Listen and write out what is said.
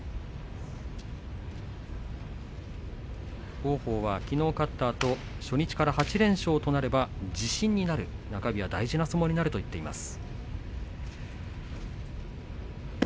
王鵬はきのう勝ったあと初日から８連勝となれば自信になる、中日は大事な相撲になると言っていました。